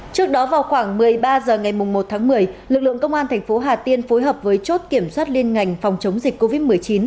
trước đó vào khoảng một mươi ba h ngày một tháng một mươi lực lượng công an thành phố hà tiên phối hợp với chốt kiểm soát liên ngành phòng chống dịch covid một mươi chín